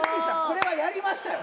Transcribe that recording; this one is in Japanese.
これはやりましたよ